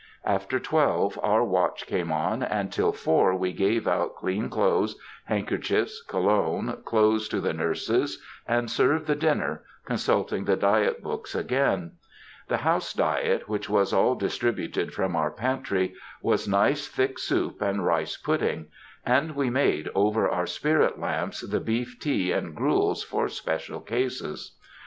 After twelve, our watch came on, and till four we gave out clean clothes, handkerchiefs, cologne, clothes to the nurses, and served the dinner, consulting the diet books again. The house diet, which was all distributed from our pantry, was nice thick soup and rice pudding, and we made, over our spirit lamps, the beef tea and gruels for special cases.